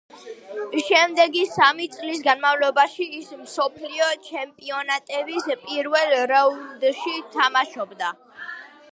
შემდეგი სამი წლის განმავლობაში ის მსოფლიო ჩემპიონატების პირველ რაუნდში თამაშობდა.